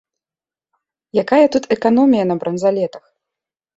Якая тут эканомія на бранзалетах.